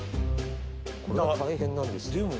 これ大変なんですよ。